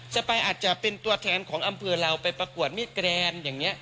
ไปอาจจะเป็นตัวแทนของอำเภอเราไปประกวดมิดแกรนอย่างนี้